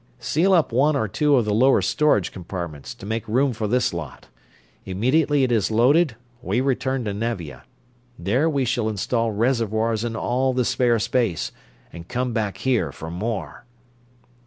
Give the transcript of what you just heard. "Seal up one or two of the lower storage compartments, to make room for this lot. Immediately it is loaded, we return to Nevia. There we shall install reservoirs in all the spare space, and come back here for more."